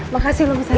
makasih lu bu chandra